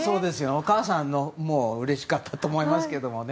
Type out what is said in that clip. お母さんもうれしかったと思いますけどね。